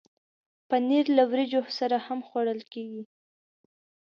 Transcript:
پنېر له وریجو سره هم خوړل کېږي.